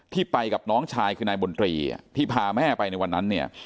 ไปกับน้องชายคือนายบนตรีที่พาแม่ไปในวันนั้นเนี่ย